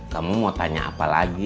kamu mau tanya apa lagi